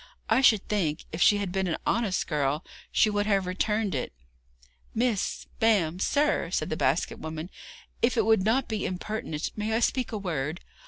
I should think, if she had been an honest girl, she would have returned it.' 'Miss! ma'am! sir!' said the basket woman, 'if it would not be impertinent, may I speak a word?